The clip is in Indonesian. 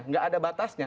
nggak ada batasnya